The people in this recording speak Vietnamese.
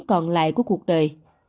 còn lại của cuộc đời